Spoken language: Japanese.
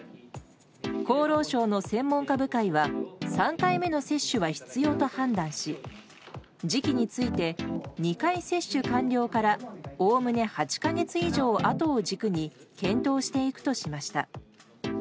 厚労省の専門家部会は３回目の接種は必要と判断し、時期について２回接種完了からおおむね８か月以上あとを軸に検討していくとしました。